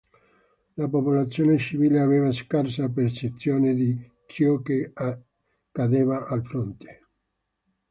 La popolazione civile aveva scarsa percezione di ciò che accadeva al fronte.